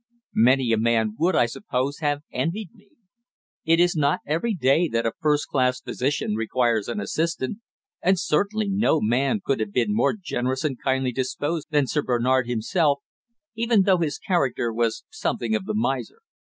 Many a man would, I suppose, have envied me. It is not every day that a first class physician requires an assistant, and certainly no man could have been more generous and kindly disposed than Sir Bernard himself, even though his character was something of the miser.